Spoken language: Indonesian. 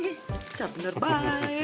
jangan bener bener baik